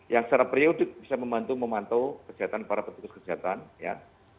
yang secara periodik bisa membantu memantau kesehatan para petugas kesehatan ya